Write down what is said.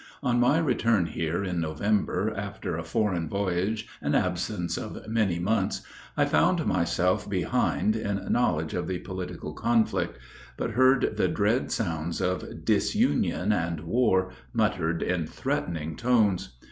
On my return here in November, after a foreign voyage and absence of many months, I found myself behind in knowledge of the political conflict, but heard the dread sounds of disunion and war muttered in threatening tones.